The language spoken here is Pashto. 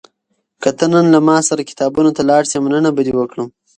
که ته نن له ما سره کتابتون ته لاړ شې، مننه به دې وکړم.